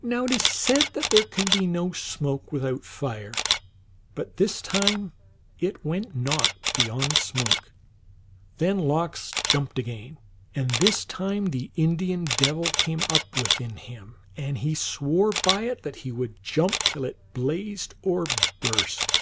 Now it is said that there can be no smoke without fire, but this time it went not beyond smoke. Then Lox jumped again, and this time the Indian Devil came up within him, and he swore by it that he would jump till it blazed or burst.